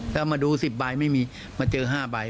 ถ้ามาดูสิบใบไม่มีมาเจอห้าใบ